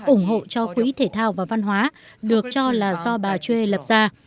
ủng hộ cho quỹ thể thao và văn hóa được cho là do bà chuê lập ra